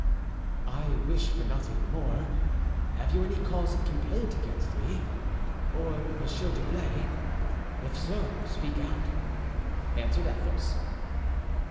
"I wish for nothing more; have you any cause of complaint against me or Monsieur d'Herblay? If so, speak out," answered Athos.